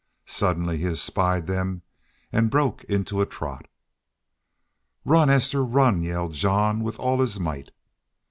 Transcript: Suddenly he espied them and broke into a trot. "Run, Esther, run!" yelled Jean, with all his might.